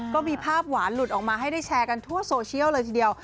ก็มีภาพหวานหลุดออกมาให้ได้แชร์กันทั่วโซเชียลเลยทีเดียว